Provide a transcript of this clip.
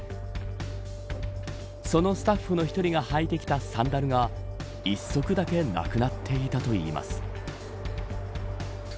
そのスタッフの１人が履いてきたサンダルが一足だけなくなっていたといいます。